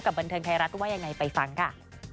บันเทิงไทยรัฐว่ายังไงไปฟังค่ะ